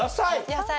野菜？